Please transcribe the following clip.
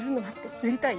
塗りたい？